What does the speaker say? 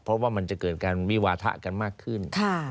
เพราะว่ามันจะเกิดการวิวาทะกันมากขึ้น